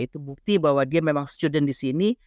itu bukti bahwa dia memang student di sini